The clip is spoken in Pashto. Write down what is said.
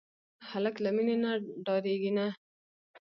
هلک له مینې نه ډاریږي نه.